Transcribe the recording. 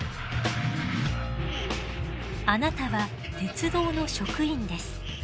あなたは鉄道の職員です。